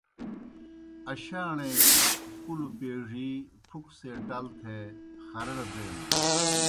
اشاݨے کُلوْ پیڙِی پُھکو سے ٹل تھے خرَڑ دینَن۔